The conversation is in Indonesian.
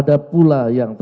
karena cerjaan kita